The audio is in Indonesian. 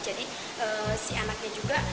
jadi si anaknya juga